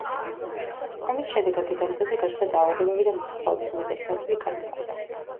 ომის შედეგად დედამიწაზე გაჩნდა დაავადებები და მოსახლეობის უმეტესი ნაწილი განადგურდა.